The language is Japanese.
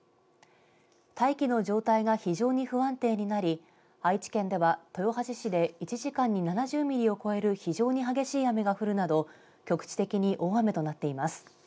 大気の状態が非常に不安定になり愛知県では豊橋市で１時間に７０ミリを超える非常に激しい雨が降るなど局地的に大雨となっています。